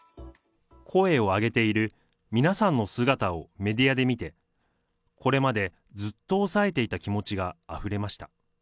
声を上げている皆さんの姿をメディアで見て、これまでずっと抑えていた気持ちがあふれました。